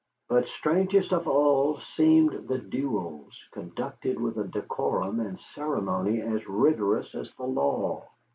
But strangest of all seemed the duels, conducted with a decorum and ceremony as rigorous as the law.